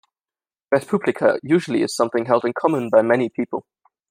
"Res publica" usually is something held in common by many people.